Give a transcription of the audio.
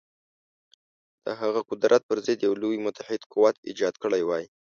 د هغه قدرت پر ضد یو لوی متحد قوت ایجاد کړی وای.